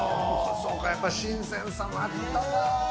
そうか、やっぱ新鮮さもあったかー。